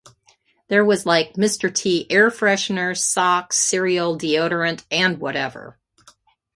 There was like Mr. T air fresheners, socks, cereal, deodorant, and whatever.